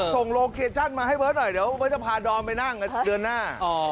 ส่งโลเกจันต์มาให้เบิ้ลหน่อยเดี๋ยวพวกเขาจะพาดอมไปนั่งเดือนหน้า